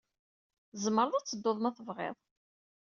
Tzemreḍ ad tedduḍ ma tebɣiḍ.